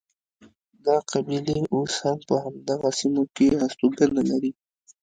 دا قبیلې اوس هم په همدغو سیمو کې هستوګنه لري.